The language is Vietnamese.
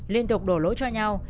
liên tục đổ lỗi cho nhau